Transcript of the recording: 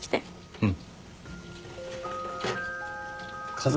うん。